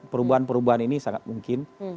perubahan perubahan ini sangat mungkin